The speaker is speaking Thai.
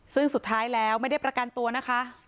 ซึ่งสุดท้ายแล้วไม่ได้ประกันตัวนะคะ